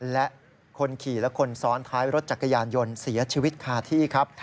และคนขี่และคนซ้อนท้ายรถจักรยานยนต์เสียชีวิตคาที่ครับ